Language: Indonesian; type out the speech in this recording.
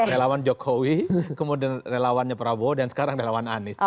relawan jokowi kemudian relawannya prabowo dan sekarang relawan anies